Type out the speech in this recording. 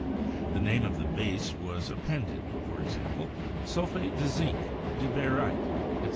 The name of the base was appended; for exam ple, sulfate de zinc, de baryte, etc.